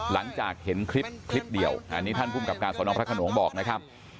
หลังจากเห็นคลิปคลิปเดียวอันนี้ท่านภูมิกับการสนพระขนงบอกนะครับ